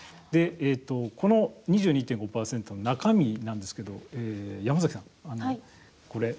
この２２．５％の中身なんですけど、山崎さん。